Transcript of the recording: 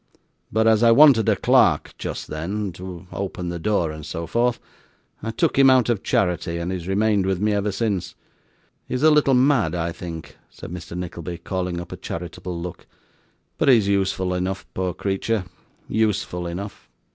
'But as I wanted a clerk just then, to open the door and so forth, I took him out of charity, and he has remained with me ever since. He is a little mad, I think,' said Mr. Nickleby, calling up a charitable look, 'but he is useful enough, poor creature useful enough.